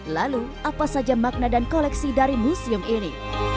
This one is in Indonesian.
lalu apa saja makna dan koleksi dari museum ini